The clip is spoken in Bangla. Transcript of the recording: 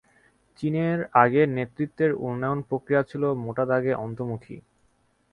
চীনের আগের নেতৃত্বের উন্নয়ন প্রক্রিয়া ছিল মোটা দাগে অন্তর্মুখী।